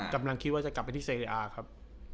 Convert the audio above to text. กำลังคิดว่าจะกลับไปที่เซริอาครับ